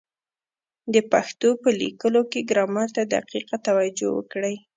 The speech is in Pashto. د پښتو په لیکلو کي ګرامر ته دقیقه توجه وکړئ!